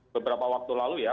beberapa waktu lalu ya